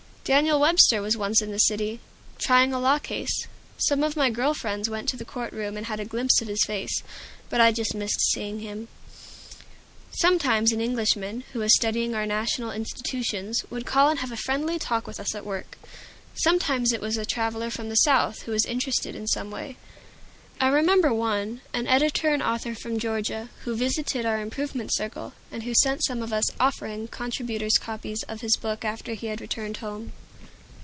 Daniel Webster was once in the city, trying a law case. Some of my girl friends went to the court room and had a glimpse of his face, but I just missed seeing him. Sometimes an Englishman, who was studying our national institutions, would call and have a friendly talk with us at work. Sometimes it was a traveler from the South, who was interested in some way. I remember one, an editor and author from Georgia, who visited our Improvement Circle, and who sent some of us "Offering" contributors copies of his book after he had returned home.